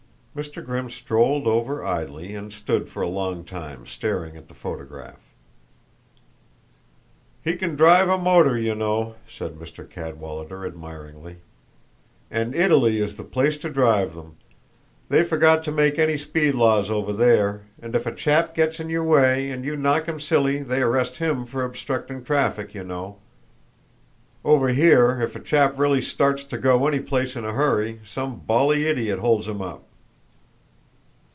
Mr. Grimm strolled over idly and stood for a long time staring at the photograph. "He can drive a motor, you know," said Mr. Cadwallader admiringly. "And Italy is the place to drive them. They forgot to make any speed laws over there, and if a chap gets in your way and you knock him silly they arrest him for obstructing traffic, you know. Over here if a chap really starts to go any place in a hurry some bally idiot holds him up."